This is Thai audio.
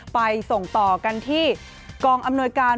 ไปส่งต่อกันที่กองอำนวยการ